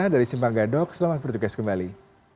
dari simpang gadog selamat petugas kembali